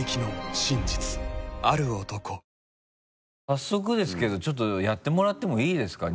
早速ですけどちょっとやってもらってもいいですか？